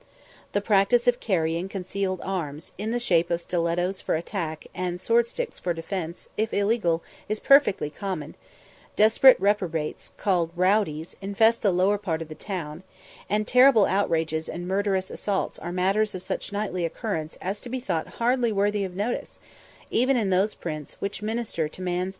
The practice of carrying concealed arms, in the shape of stilettoes for attack, and swordsticks for defence, if illegal, is perfectly common; desperate reprobates, called "Rowdies," infest the lower part of the town; and terrible outrages and murderous assaults are matters of such nightly occurrence as to be thought hardly worthy of notice, even in those prints which minister to man's depraved taste for the horrible.